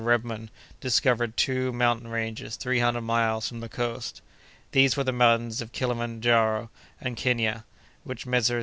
Rebmann, discovered two mountain ranges three hundred miles from the coast. These were the mountains of Kilimandjaro and Kenia, which Messrs.